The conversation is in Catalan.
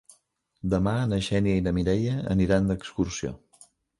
Demà na Xènia i na Mireia aniran d'excursió.